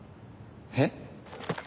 えっ？